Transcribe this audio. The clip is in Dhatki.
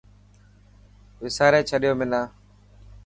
وساري ڇڏيو منا.